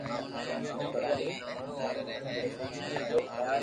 چلو ھمي ڪاوو ڪرو تو سھي ھوئي يار